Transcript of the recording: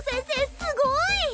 すごい！